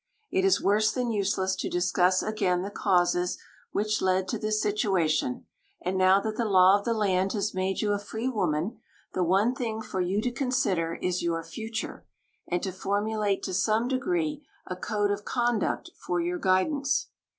It is worse than useless to discuss again the causes which led to this situation, and now that the law of the land has made you a free woman, the one thing for you to consider is your future, and to formulate to some degree a code of conduct for your guidance.